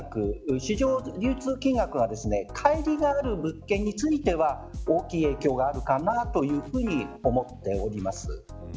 市場流通金額が乖離がある物件については大きい影響があるかなというふうに思っております。